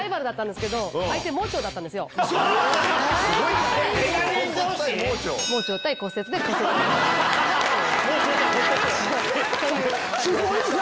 すごいな！